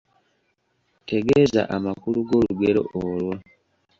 Tegeeza amakulu g'olugero olwo.